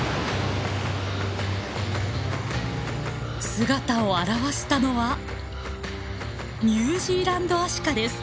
姿を現したのはニュージーランドアシカです。